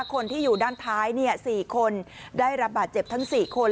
คนที่อยู่ด้านท้าย๔คนได้รับบาดเจ็บทั้ง๔คน